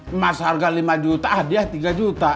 emas harga lima juta hadiah tiga juta